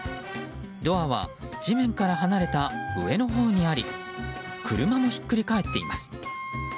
ドアは地面から離れた上のほうにあり車もひっくり返っています。